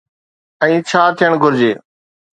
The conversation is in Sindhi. ۽ ڇا ٿيڻ گهرجي؟